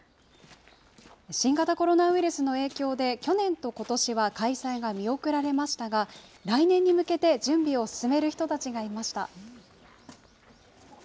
新型コロナウイルスの影響で、去年とことしは開催が見送られましたが、来年に向けて準備を進める人たちがいました。